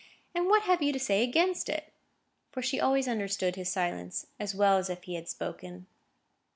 and what have you to say against it?" For she always understood his silence as well as if he had spoken.